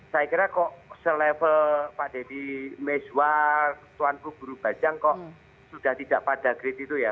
saya kira kok selevel pak deddy mezwar tuan guru bajang kok sudah tidak pada grade itu ya